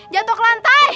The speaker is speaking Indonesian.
jatuh ke lantai